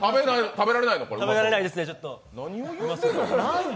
食べられないですね、ちょと。